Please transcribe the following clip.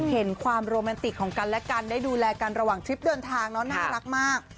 เห็นความโรแมนติกของกันและกันได้ดูแลกันระหว่างทริปเดินทางเนอะน่ารักมาก